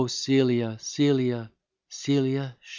Celia, Celia, Celia sh